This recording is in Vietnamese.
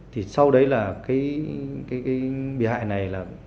thì sau đấy là cái bị hại này là